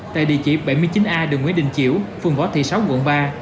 tại địa chỉ bảy mươi chín a đường nguyễn đình chiểu phường võ thị sáu quận ba